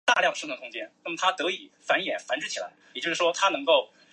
玩家控制一名刚刚被扔进矿山的无名囚犯。